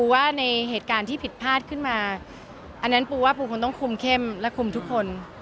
ว่าในเหตุการณ์ที่ผิดพลาดขึ้นมาอันนั้นปูว่าปูคงต้องคุมเข้มและคุมทุกคน